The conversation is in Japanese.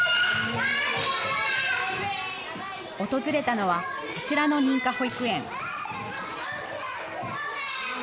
訪れたのはこちらの認可保育園。